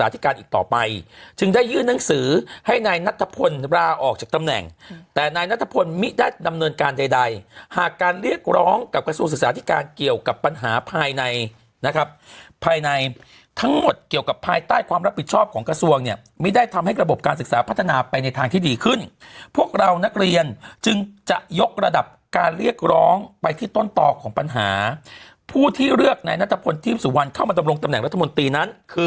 ตำแหน่งแต่ในนัทพลไม่ได้ดำเนินการใดหากการเรียกร้องกับกระทรวงศึกษาที่การเกี่ยวกับปัญหาภายในนะครับภายในทั้งหมดเกี่ยวกับภายใต้ความรับผิดชอบของกระทรวงเนี่ยไม่ได้ทำให้ระบบการศึกษาพัฒนาไปในทางที่ดีขึ้นพวกเรานักเรียนจึงจะยกระดับการเรียกร้องไปที่ต้นต่อของปัญหาผู้ที่เลือกในนั